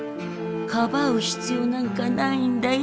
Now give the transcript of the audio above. かばう必要なんかないんだよ。